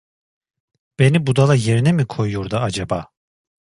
Beni budala yerine mi koyuyordu acaba?